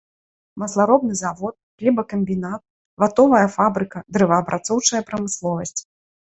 Масларобны завод, хлебакамбінат, ватовая фабрыка, дрэваапрацоўчая прамысловасць.